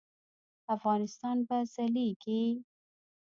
افغانستان به ځلیږي؟